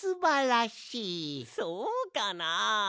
そうかな？